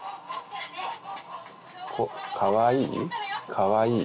かわいい？